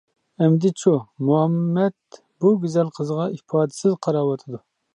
ئەمدىچۇ، مۇھەممەت بۇ گۈزەل قىزغا ئىپادىسىز قاراۋاتىدۇ.